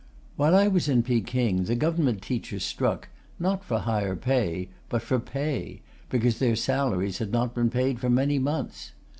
While I was in Peking, the Government teachers struck, not for higher pay, but for pay, because their salaries had not been paid for many months.